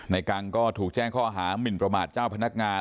กังก็ถูกแจ้งข้อหามินประมาทเจ้าพนักงาน